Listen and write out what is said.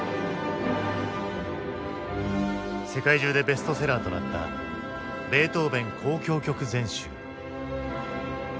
世界中でベストセラーとなった「ベートーヴェン交響曲全集」。